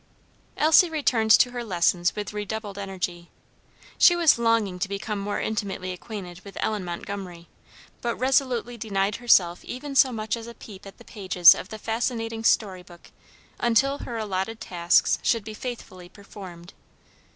Elsie returned to her lessons with redoubled energy. She was longing to become more intimately acquainted with Ellen Montgomery, but resolutely denied herself even so much as a peep at the pages of the fascinating story book until her allotted tasks should be faithfully performed.